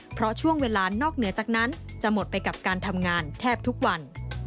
เพราะช่วงเวลานอกเหนือจากนั้นจะหมดไปกับการทำงานแทบทุกวัน